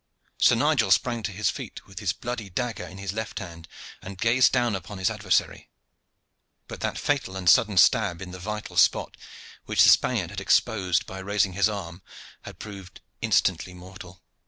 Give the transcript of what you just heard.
Sir Nigel sprang to his feet with his bloody dagger in his left hand and gazed down upon his adversary, but that fatal and sudden stab in the vital spot, which the Spaniard had exposed by raising his arm, had proved instantly mortal.